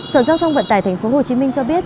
sở giao thông vận tải tp hcm cho biết